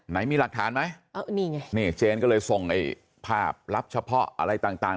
ไหนมีหลักฐานไหมนี่ไงนี่เจนก็เลยส่งไอ้ภาพลับเฉพาะอะไรต่าง